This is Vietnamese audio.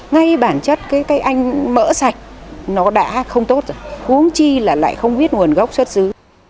ngay bản chất cái cây anh mỡ sạch nó đã không tốt rồi uống chi là lại không biết nguồn gốc xuất xứ